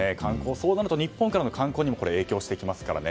そうなると日本からの観光にも影響してきますからね。